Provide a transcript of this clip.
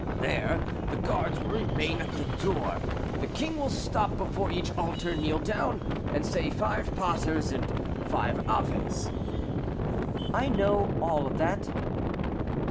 There, the guards will remain at the door, the king will stop before each altar, kneel down, and say five paters and five aves." "I know all that."